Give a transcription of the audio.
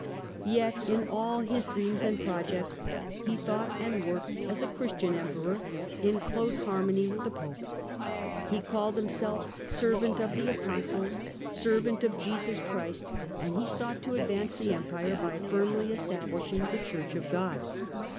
Yet in all his dreams and projects he thought and worked as a Christian Emperor, in close harmony with the Pope. He called himself "Servant of the Apostles," "Servant of Jesus Christ," and he sought to advance the Empire by firmly establishing the Church of God.